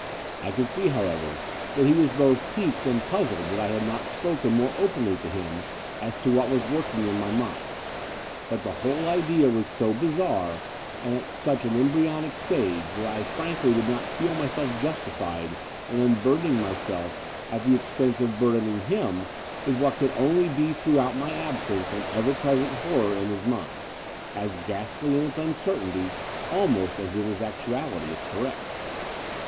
I could see, how ever, that he was both piqued and puzzled that I had not spoken more openly to him as to what was working in my mind: but the whole idea was so bizarre and at such an embryonic stage, that I frankly did not feel myself justified in un burdening myself at the expense of burdening him with what could only be throughout my absence an ever present horror in his mind, as ghastly in its tmcertainty almost as in its actuality, if correct.